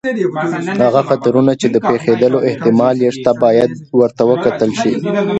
هغه خطرونه چې د پېښېدلو احتمال یې شته، باید ورته وکتل شي.